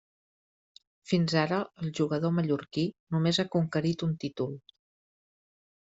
Fins ara, el jugador mallorquí només ha conquerit un títol.